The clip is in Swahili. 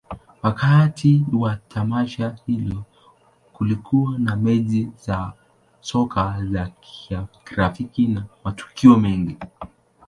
Wakati wa tamasha hilo, kulikuwa na mechi za soka za kirafiki na matukio mengine.